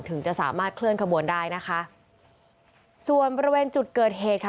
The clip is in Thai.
ถึงจะสามารถเคลื่อนขบวนได้นะคะส่วนบริเวณจุดเกิดเหตุค่ะ